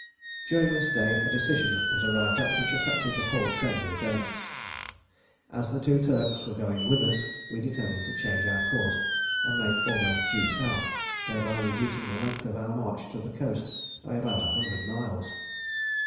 During this day a decision was arrived at which affected the whole trend of events. As the two Turks were going with us, we determined to change our course and make almost due south, thereby reducing the length of our march to the coast by about a hundred miles.